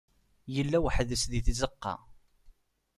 Yella weḥd-s di tzeqqa.